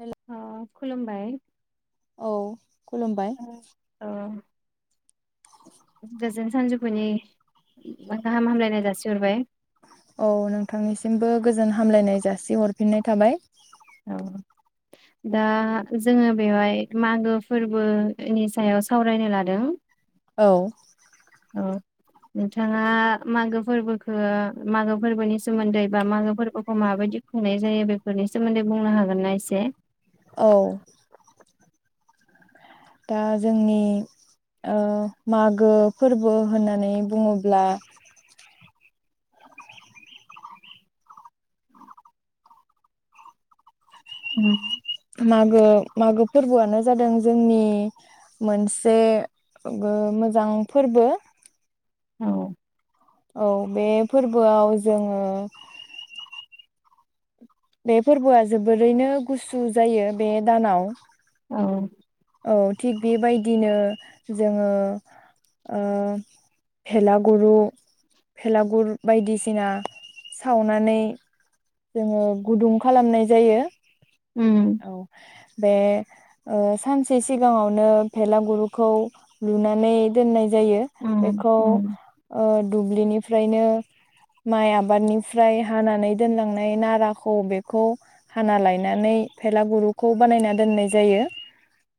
हेल' अ खुलुमबाय। औ खुलुमबाय गोजोन सानजौफुनि गाहाम हामलायनाय जासिहरबाय। औ नोंथांनिसिमबो गोजोन हामलायनाय जासि हरफिन्नाय थाबाय। औ दा जोङो बेवहाय मागो फोरबोनि सायाव सावरायनो लादों। औ। औ नोंथाङा मागो फोरबोखो मागो फोरबोनि सोमोन्दै बा मागो फोरबोखौ माबायदि खुंनाय जायो बेफोरनि सोमोन्दै बुंनो हागोनना एसे? औ दा जोंनि ओ मागो फोरबो होननानै बुङोब्ला उम मागो मागो फोरबोआनो जादों जोंनि मोनसे बो मोजां फोरबो। औ औ बे फोरबोआव जोङो बे फोरबोआ जोबोरैनो गुसु जायो बे दानाव। औ औ थिग बेबायदिनो जोङो ओ भेलागुरु भेलागुर बायदिसिना सावनानै जोङो गुदुं खालामनाय जायो। उम औ बे ओ सानसे सिगाङावनो भेला गुरखौ लुनानै दोननाय जायो उम बेखौ उम ओ दुब्लिनिफ्रायनो माइ आबादनिफ्राय हानानै दोनलांनाय नाराखौ बेखौ हाना लायनानै फेला गुरुखौ बानायना दोननाय जायो।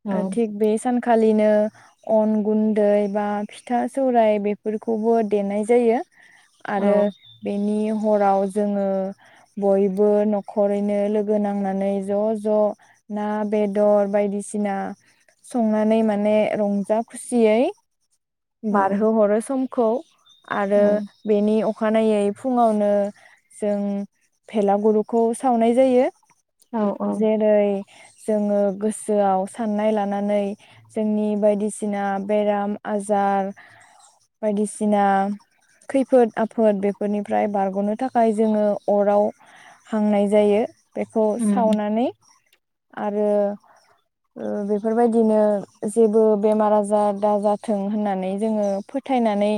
औ ओ थिग बे सानखालिनो अन गुन्दै बा फिथा सौराय बेफोरखौबो देनाय जायो। औ आरो बेनि हराव जोङो बयबो नखरैनो लोगो नांनानै ज ज ना बेदर बायदिसिना संनानै माने रंजा खुसियै औ बारहोहरो समखौ आरो औ बेनि अखानायै फुङावनो जों भेलागुरुखौ सावनाय जायो। औ औ जेरै जोङो गोसोआव साननाय लानानै जोंनि बायदिसिना बेराम आजार बायदिसिना खैफोद आफोद बेफोरनिफ्राय बारगनो थाखाय जोङो अराव हांनाय जायो। बेखौ उम सावनानै आ रो बेफोरबायदिनो जेबो बेमार आजार दाजाथों होननानै जोङो फोथायनानै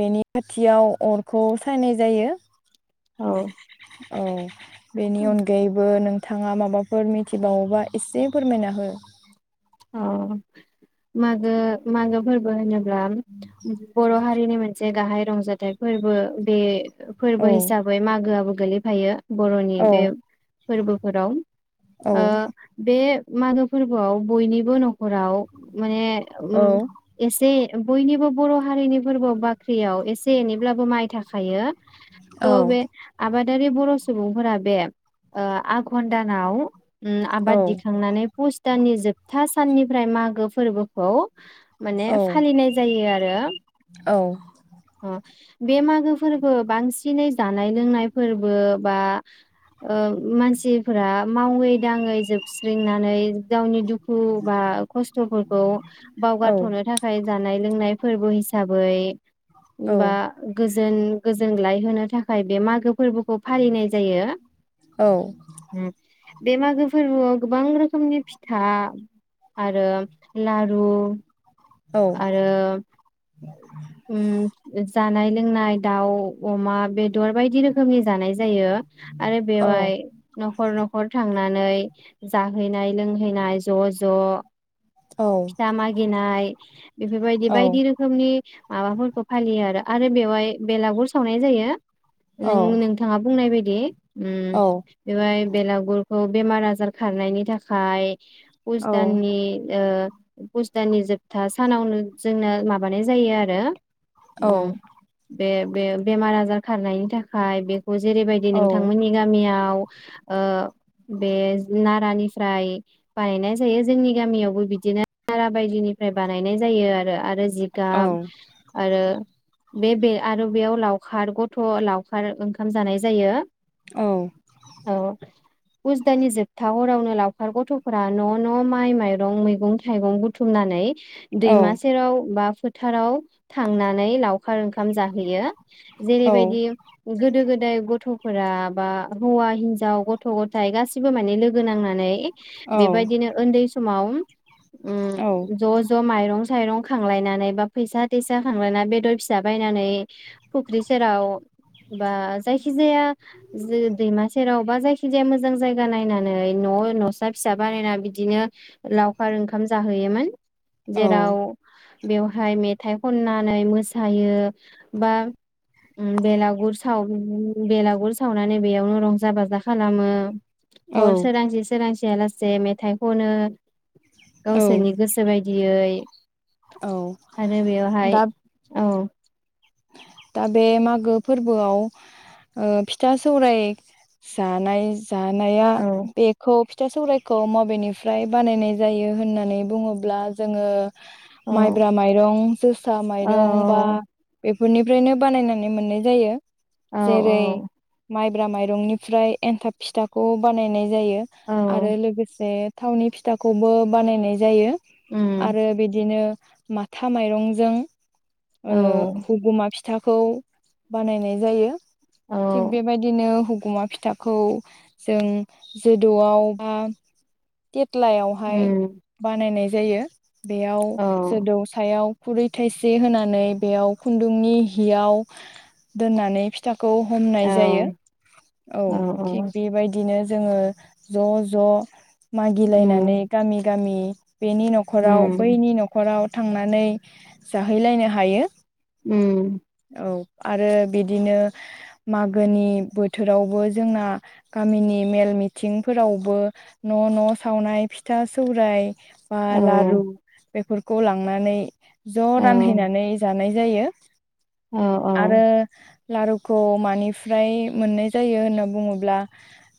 बेनि खाथियाव अरखौ सायनाय जायो। औ औ बेनि अनगायै बो नोंथाङा माबाफोर मिथिबावोबा एसे फोरमायना हो। औ मागो मागो फोरबो होनो ब्ला बर हारिनि मोनसे गाहाय रंजाथाइ फोरबो। बे फोरबो औ हिसाबै मागोआबो गोलैफायो। बरनि औ बे फोरबोफोराव। औ ओ बे मागो फोरबोआव बयनिबो नखराव माने औ उम एसे बयनिबो बर' हारिनि फोरबोआव बाख्रियाव एसे एनैब्लाबो माइ थाखायो। औ थ बे आबा दारि बर'सुबुंफोरा बे ओ आघन दानाव उम आबाद औ दिखांनानै फुस दाननि जोब था साननिफ्राय मागो फोरबोखौ माने औ फालिनाय जायो आरो। औ बे मागो फोरबो बांसिनै जानाय लोंनाय फोरबो बा ओ मानसिफोरा मावै दांङै जोबस्रिनानै गावनि दु खुु बा खस्थफोरखौ बावगारथनो थाखाय जानाय लोंनाय फोरबो हिसाबै औ बा गो जोन गोजोनग्लाय होनो थाखाय बे मागो फोरबो खौ फालिनाय जायो। औ बे मागो फोरबोआव गोबां रोखोमनि फिथा आरो लारु औ आरो उम जानाय लोंनाय दाउ, अमा बे दर बायदि रोखोमनि जानाय जायो। आरो दा बेवहाय नखर नख थां आ नै जाहोयैनाय लोंहैनाय ज ज' फिथा मागिनाय बेफोरबायदि बायदि रोखोमनि माबाफोरखौ फालियो आरो आरो बेवहाय बेलागुर सावनाय जायो। नों नोंथाङा बुंनाय बायदि गे उम बेवाय बेलागुरखौ बेमार आजार खारनायनि थाखाय‌‌ पुस दाननि ओ पुस दाननि जोब था सानावनो जोंना माबानाय जायो आरो। उम बे बे बेमार आजार खारनायनि थाखाय बे जेरैबायदि नोंथांमोननि गामियाव ओ बे नारानिफ्राय बानायनाय जायो जोंनि गामियावबो बिदिनो नारा बायदिनि फ्राय बानायनाय जायो आरो आरो जिगाब आरो बे बे आरो बेयाव लावखार गथ' लावखार ओंखाम जानाय जायो। औ पुज दाननि जोबथा हरावनो लावखार गथ'फोरा न' न' माइ माइरं मैगं थाइगं बुथुमनानै दैमा सेराव बा फोथाराव थांनानै लावखार ओंखाम जाहैयो। जेरैबायदि गोदो गो दाय गथ'फोरा बा हौवा हिनजाव गथ' गथाय गासिबो माने लोगो नांनानै बेबायदिनो ओन्दै समाव उम ज' ज' माइरं साइरं खांलायनानै बा फैसा थैसा खांलायना बेदर फिसा बायनानै फुख्रि सेराव बा जायखि जाया दैमा सेराव बा जायखि जाया मोजां जायगा नायनानै न' न'सा फिसा बानायना बिदिनो लावखार ओंखाम जाहोयोमोन। जेराव बेवहाय मेथाइ खननानै मोसायो बा उम बेलागुर सावमोन बेलागुर सावनानै बेयावनो रंजा बाजा खालामो हर सोरांसि सोरां सियालासे मेथाइ खनो गावसोरनि गोसो बाय दियै आरो बेवहाय औ दा बे मागो फोरबोआव ओ फिथा सौराय जानाय जानाया औ बेखौ फि था सौराइखौ मबेनिफ्राय बानायनाय जायो होननानै बुङोब्ला जोङो औ माइब्रा माइरं जोसा औ माइरं बा बेफोरनिफ्रायनो बानायनानै मोननाय जायो। औ जेरै माइ ब्रा माइरंनिफ्राय एन्थाब फिथाखौ बानायनाय जायो आरो औ लोगोसे थावनि फिथाखौबो बानायनाय जायो। उम आरो बिदिनो। माथा माइरंजों। औ ओ। अमा फिथाखौ बानायनाय जायो। औ थिग बेबायदिनो हु। अमा फिथाखौ जों जोदौआव बा केट। सिथलायावहाय उम बानायनाय जायो। जायो। बेयाव औ जोदौ सायाव। खुरै थाइसे होनानै बेयाव। खुन्दुंनि हियाव दोननानै फिथा। खौ औ हमनाय जायो औ औ थिग बेबायदिनो। जोङो ज ज। मागिलायनानै उम गामि गामि। बेनि न'खराव उम बैनि न'खराव थांनानै जाहैलायनो हायो। उम। औ आरो बिदिनो मागोनि बोथोरावबो जोंना गामिनि मेल मिथिंफोरावबो न' न' सावनाय फिथा सौराय बा औ लारु बेफोर खौ लांनानै ज रानहैनानै जानाय जायो। औ आरो औ लारुखौ मानिफ्राय मोननाय जायो होनना बुङोब्ला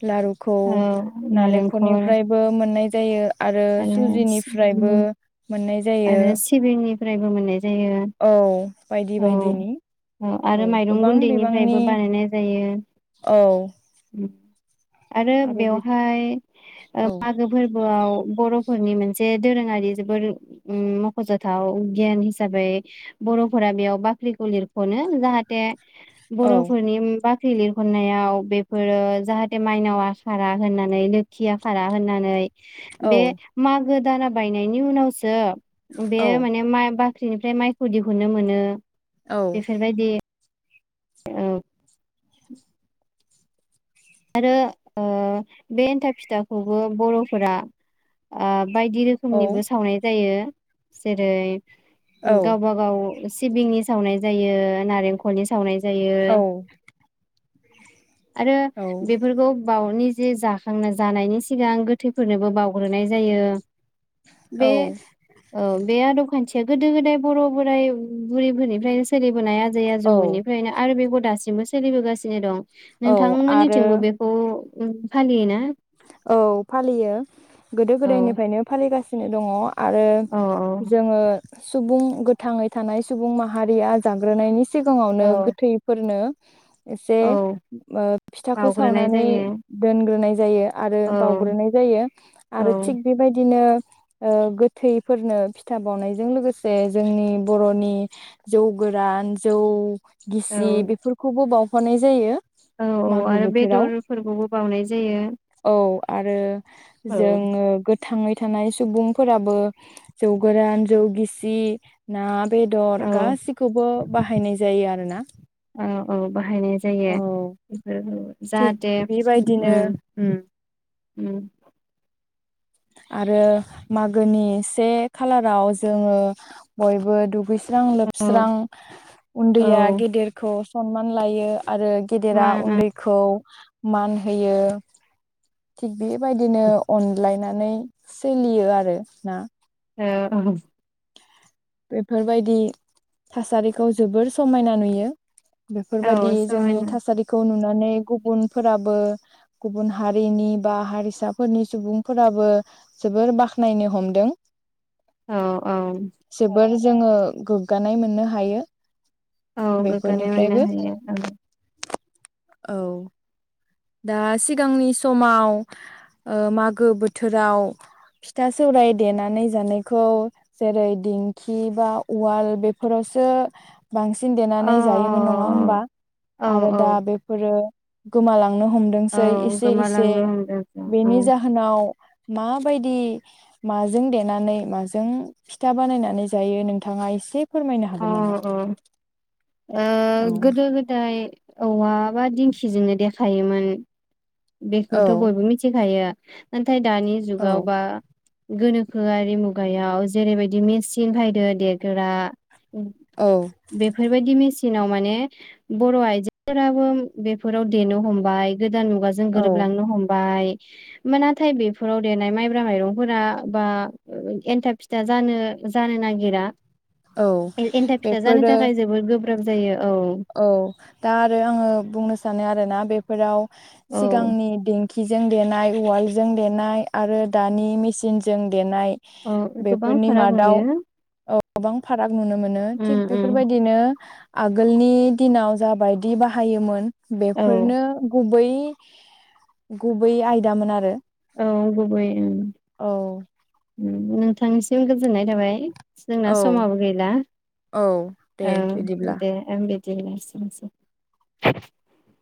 लारुखौ औ नारेंखल नालेंखलनिफ्रायबो मोननाय जायो। आरो सुजिनिफ्रायबो मोननाय जायो आरो सिबिंनि। फ्रायबो मोननाय। जायो औ बायदि औ बायदिनि औ आरो माइरं गोबां बिबांनि गुन्दैनिफ्रायबो बानायनाय औ जायो। आरो बेवहाय औ मागो फोरबोआव बर' फोरनि मोनसे दोरोङारि जोबोर ओम मखजाथाव गियान हिसाबै बरफोरा बेयाव बाख्रिखौ लिरखनो जाहाथे औ बरफोरनि मोनबा थै लिरहरनायाव बेफोरो जाहाथे माइनावआ खारा होननानै लोखिआ खारा होननानै औ बे मा गोदाना बायनायनि उनावसो बे औ माने मा बा ख्रिनिफ्राय माइखौ दिहुनो मोनो औ बेफोरबायदि औ आरो ओ बे एन्थाब फिथाखौबो बरफोरा ओ बायदि औ रोखोमनिबो सावनाय जायो जेरै औ औ गावबा गाव सिबिंनि सावनाय जायो नारेंखलनि सावनाय जायो औ आरो बेफोरखौ बावनि जे जाखांना जानायनि सिगां गोथैफोरनोबो बावग्रोनाय जायो। बे औ ओ बे आदब खान्थिया गोदो गोदाय बर' बोराइ बुरिफोरनिफ्रायनो सोलिबोनाया आ जै औ आजौनिफ्रायनो आरो बेखौ दासिमबो स सोलिबोगासिनो दं। औ नोंथांमोननि थि आरो जोंबो बेखौ उम फालियोना? औ फालियो। गोदो औ गोदायनिफ्रायनो फालिगासि सिनो दङ आ आरो औ जोङो सुबुं। गोथाङै थानाय सुबुं माहारिया जाग्रोनायनि सि सिगाङावनो औ गोथैफोरनो एसे औ ओ फिथाखौ बावग्रोनाय सावनानै जायो दोनग्रोनाय जा जायो। आरो औ बावग्रोनाय जायो औ आरो थिग बेबायदिनो ओ गोथैफोरनो फिथा बावनायजों लोगोसे जोंनि बर'नि जौ गोरान जौ गिसि बेफोरखौबो बाव हनाय जायो। औ औ आरो बेदरफोरखौबो बाउनाय जायो। औ आरो औ जोङो गोद थाङै थानाय सुबुंफोराबो जौ गोरान जौ गिसि ना बेदर औ गासिखौबो बाहायनाय जायो आरोना। औ औ बाहायनाय जायो औ इफोरखौ थिग जाहाते बेबायदिनो उम। उम उम आरो मागोनि से खालाराव जोङो बयबो दुगै स्रां औ लोबस्रां औ उन्दैया गेदेरखौ सनमान लायो। आरो गेदेरा मा ओ उन्दैखौ मान होयो। थिग बेबायदिनो अनलायनानै सोलियो आरो ना। औ बेफोरबायदि थासारिखौ जोबोर समायना नुयो। बेफोरबायदि औ जोंनि समायना थासारिखौ नुना गुबुनफोराबो गुबुन हारिनि बा हारिसाफोरनि सुबुंफोराबो जोबोर बाखनायनो हमदों। औ औ। जोबोद जोङो गोगानाय मोननो हायो। औ गोगानाय मोननो बेफोरनिफ्रायबो हायो औ। औ। दा सिगांनि समाव ओ मागो बोथोराव फिथा सौवराय देनानै जानायखौ जेरै दिंखि बा उवाल बेफोरावसो बांसिन औ देनानै जायोमोन नङा होमबा औ औ आरो दा औ बेफोरो गोमालां नो हमदोंसै औ एसे इसे गोमालांनो हमदों जों औ बेनि जाहोनाव माबायदि माजों देनानै माजों फिथा बानायनानै जायो नोंथाङा एसे फोरमायनो औ हागोन नामा? औ ओ औ गोदो गोदाय औवा‌बा दिंखिजोंनो देखायोमोन औ बेखौथ' बयबो मिथिखायो। [unintelligible] नाथाय दानि औ जुगाव बा गोनोखोआरि मुगायाव जेरैबायदि मेचिन बायदो देग्रा औ बेफोरबायदि मेसि- नावव मान बरआइजोफोराबो बेफोराव देनो हमबाय गोदान मुगा जों औ गोरोबलांनो हमबाय नाथाय बेफोराव देरनाय माइब्रा माइरंफोरा बा एनथाब फिथा जानो जानो नागिरा एन्था फिथा जानो बेफोरो थाखाय जोबोद गोब्राब गोब्राब जायो औ दा आरो आङो बुंनो सानो आरोना बे- फोराव औ सिगांनि खिजों देनाय उवालजों देनाय आरो दानि मेसिनजों देनाय औ गोबां बेफोरनि फाराग मादाव नुयो गोबां फाराग नुनो मोनो थिग उम उम बेफोरबायदिनो आगोल- नि दिनाव जाबायदि बाहायोमोन औ बेफोरनो गुबै गुबै आयदामोन आरो औ गुबै ओ औ नोंथांनिसिम गोजोननाय थाबाय जोंना औ समाबो गैला औ दे औ बिदिब्ला दे